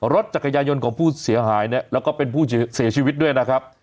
รถจักรยายนต์ของผู้เสียหายเนี่ยแล้วก็เป็นผู้เสียชีวิตด้วยนะครับ